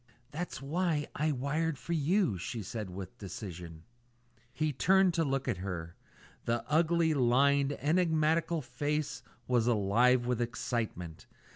"That's why I wired for you," she said with decision. He turned to look at her. The ugly, lined, enigmatical face was alive with excitement.